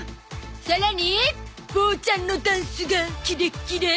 さらにボーちゃんのダンスがキレッキレ